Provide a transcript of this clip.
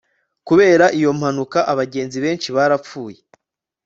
kubera iyo mpanuka, abagenzi benshi barapfuye